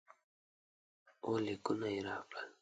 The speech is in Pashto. اووه لیکونه یې راکړل.